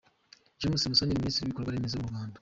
James Musoni, Minisitiri w’ibikorwa remezo mu Rwanda.